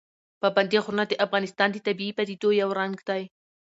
پابندی غرونه د افغانستان د طبیعي پدیدو یو رنګ دی.